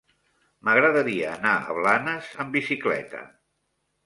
M'agradaria anar a Blanes amb bicicleta.